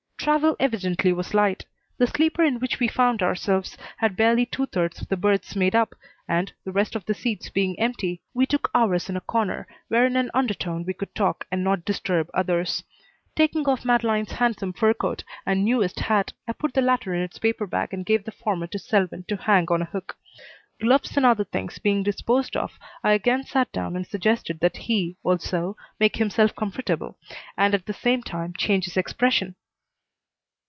Travel evidently was light. The sleeper in which we found ourselves had barely two thirds of the berths made up, and, the rest of the seats being empty, we took ours in a corner where in an undertone we could talk and not disturb others. Taking off Madeleine's handsome fur coat and newest hat I put the latter in its paper bag and gave the former to Selwyn to hang on a hook. Gloves and other things being disposed of, I again sat down and suggested that he, also, make himself comfortable, and at the same time change his expression.